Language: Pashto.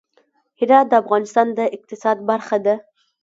هرات د افغانستان د اقتصاد برخه ده.